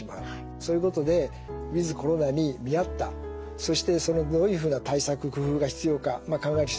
そういうことでウィズコロナに見合ったそしてそのどういうふうな対策工夫が必要か考える必要があると思います。